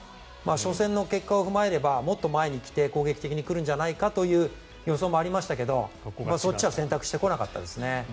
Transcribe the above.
初戦の結果を踏まえればもっと前に出て攻撃的に来るんじゃないかという予想もありましたがそっちは選択してこなかったですね。